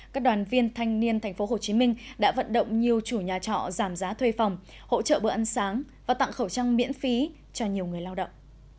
các đoàn viên thanh niên tp hcm đã vận động nhiều chủ nhà trọ giảm giá thuê phòng hỗ trợ bữa ăn sáng và tặng khẩu trang miễn phí cho nhiều người lao động